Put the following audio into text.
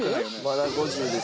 まだ５０です。